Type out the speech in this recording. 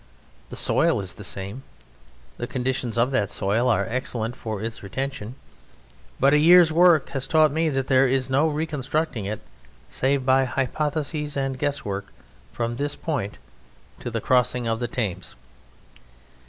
The soil is the same; the conditions of that soil are excellent for its retention; but a year's work has taught me that there is no reconstructing it save by hypothesis and guesswork from this point to the crossing of the Thames.